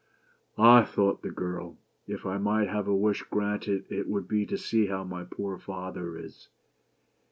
" "Ah!" thought the poor girl, " If I might have a wish granted it would be to see how my poor father is."